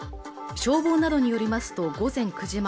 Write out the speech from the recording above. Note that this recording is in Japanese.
消防などによりますと午前９時前